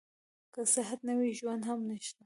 که صحت نه وي ژوند هم نشته.